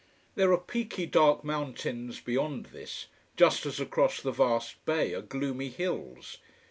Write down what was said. There are peaky, dark mountains beyond this just as across the vast bay are gloomy hills.